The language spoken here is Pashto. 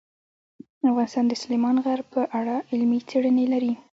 افغانستان د سلیمان غر په اړه علمي څېړنې لري.